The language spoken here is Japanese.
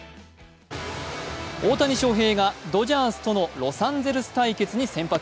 大谷翔平がドジャースとのロサンゼルス対決に先発。